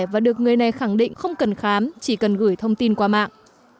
và được người này khẳng định không cần khám chỉ cần gửi thông tin qua mạng